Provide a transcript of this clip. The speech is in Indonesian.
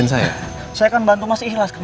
saya kan bantu masih ikhlas